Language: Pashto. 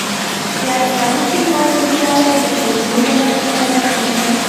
د عرضاني سیخانو اوږدوالی د فورمول له مخې پیدا کیږي